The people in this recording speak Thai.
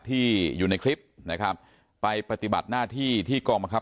ผู้เสียหายไม่มา